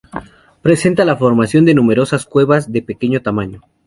Presenta la formación de numerosas cuevas de pequeño tamaño.